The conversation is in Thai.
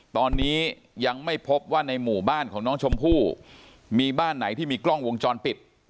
ตอนนี้ยังไม่พบว่าในหมู่บ้านของน้องชมพู่มีบ้านไหนที่มีกล้องวงจรปิด